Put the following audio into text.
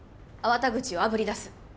粟田口をあぶり出す。